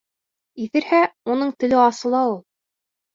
Иҫерһә, уның теле асыла ул.